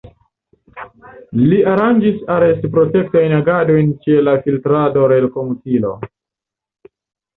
Li aranĝis arest-protektajn agadojn ĉe la Filtrado-Relkomutilo.